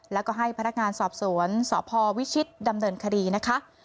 แล้วก็ให้พนักงานสอบสวนสพวิชิตดำเนินคดีนะคะ